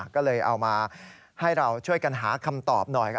ก็เลยเอามาให้เราช่วยกันหาคำตอบหน่อย